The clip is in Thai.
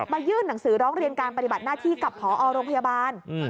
ยื่นหนังสือร้องเรียนการปฏิบัติหน้าที่กับพอโรงพยาบาล